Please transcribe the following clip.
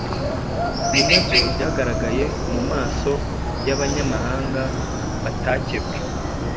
ni nabyo byagaragaye mu maso y’Abanyamahanga batakebwe.